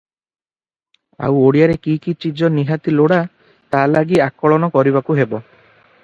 ଆଉ ଓଡ଼ିଆରେ କି କି ଚିଜ ନିହାତି ଲୋଡ଼ା ତା' ଲାଗି ଆକଳନ କରିବାକୁ ହେବ ।